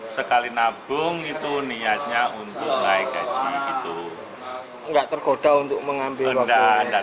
sepuluh sekali nabung itu niatnya untuk naik gaji itu enggak tergoda untuk mengambil enggak